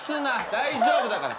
大丈夫だから。